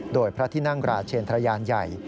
โดยพระที่นั่งราชเชนทรยานใหญ่